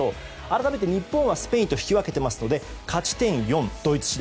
改めて日本はスペインと引き分けていますので勝ち点４。